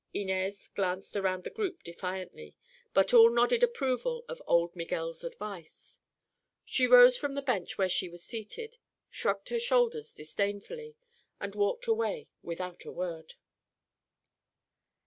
Inez glanced around the group defiantly, but all nodded approval of old Miguel's advice. She rose from the bench where she was seated, shrugged her shoulders disdainfully and walked away without a word.